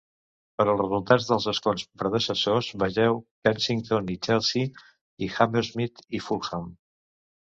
Per als resultats dels escons predecessors, vegeu Kensington i Chelsea, i Hammersmith i Fulham.